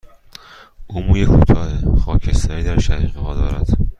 او موی کوتاه، خاکستری در شقیقه ها دارد.